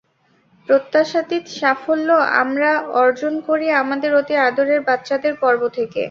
প্রত্যাশাতীত সাফল্য আমরা অর্জন করি আমাদের অতি আদরের বাচ্চাদের পর্ব থেকে।